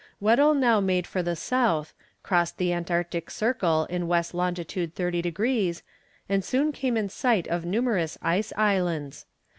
Weddell now made for the south, crossed the Antarctic Circle in W. long. 30 degrees, and soon came in sight of numerous ice islands.